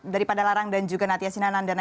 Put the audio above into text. dari padalarang dan juga natia sinanan